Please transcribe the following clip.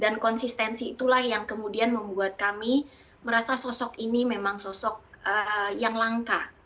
dan konsistensi itulah yang kemudian membuat kami merasa sosok ini memang sosok yang langka